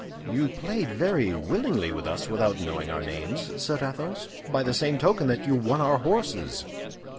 "You played very willingly with us without knowing our names," said Athos, "by the same token that you won our horses."